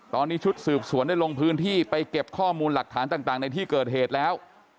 ตอนนี้ชุดสืบสวนได้ลงพื้นที่ไปเก็บข้อมูลหลักฐานต่างในที่เกิดเหตุแล้ว